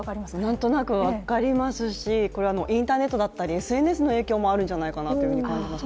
なんとなく分かりますし、これはインターネットだったりＳＮＳの影響もあるんじゃないかと感じます。